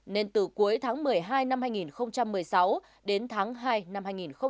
nên từ cuối tháng một mươi hai năm hai nghìn một mươi sáu đến tháng hai năm hai nghìn một mươi chín